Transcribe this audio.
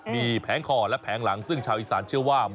มีแผงคอและแผงหลังซึ่งชาวอีสานเชื่อว่า